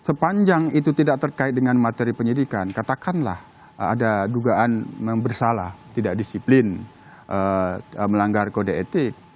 sepanjang itu tidak terkait dengan materi penyidikan katakanlah ada dugaan bersalah tidak disiplin melanggar kode etik